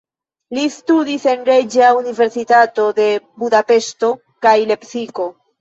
Li studis en Reĝa Universitato de Budapeŝto kaj Lepsiko.